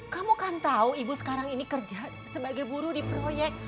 kamu kan tahu ibu sekarang ini kerja sebagai buruh di proyek